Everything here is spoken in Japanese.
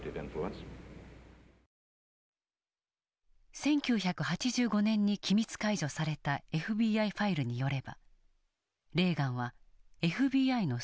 １９８５年に機密解除されたＦＢＩファイルによればレーガンはＦＢＩのスパイだった。